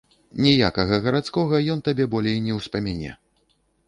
Ніякага гарадскога ён табе болей не ўспамяне.